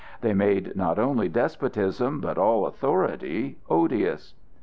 They made not only despotism but all authority odious.